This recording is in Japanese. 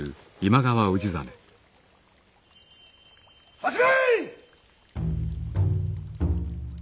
始め！